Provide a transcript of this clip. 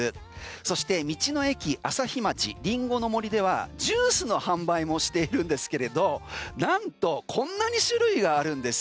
そして道の駅あさひまちりんごの森ではジュースの販売もしているんですけれどなんとこんなに種類があるんです。